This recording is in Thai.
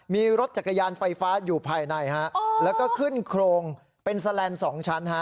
มีรถจักรยานไฟฟ้าอยู่ภายในแล้วก็ขึ้นโครงเป็นแสลนด์๒ชั้น